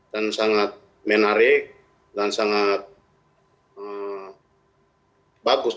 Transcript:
sangat menarik dan sangat bagus